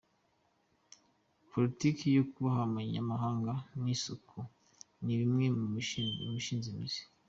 Politiki yo kubaha amanyamahanga n’isuku ni bimwe mu bishinze imizi.